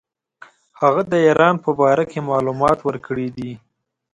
هغه د ایران په باره کې معلومات ورکړي دي.